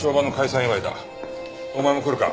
お前も来るか？